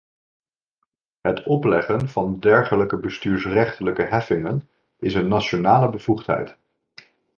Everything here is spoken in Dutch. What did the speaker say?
Het opleggen van dergelijke bestuursrechtelijke heffingen is een nationale bevoegdheid.